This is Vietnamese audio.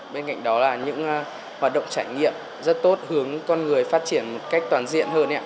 bên cạnh đó là những hoạt động trải nghiệm rất tốt hướng con người phát triển một cách toàn diện hơn